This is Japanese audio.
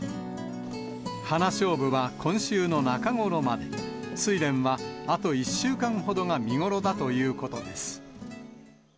ハナショウブは今週の中頃まで、スイレンはあと１週間ほどが見頃だということです。